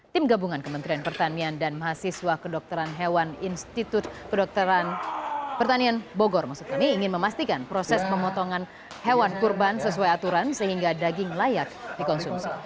tim gabungan kementerian pertanian dan mahasiswa kedokteran hewan institut kedokteran pertanian bogor ingin memastikan proses pemotongan hewan kurban sesuai aturan sehingga daging layak dikonsumsi